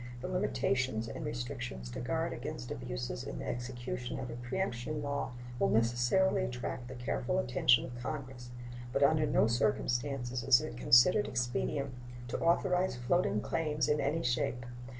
The limitations and restrictions to guard against abuses in the execution of a preemption law will necessarily attract the careful attention of Congress, but under no circumstances is it considered expedient to authorize floating claims in any shape.